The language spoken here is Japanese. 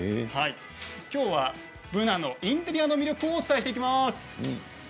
きょうはブナのインテリアの魅力をお伝えしていきます。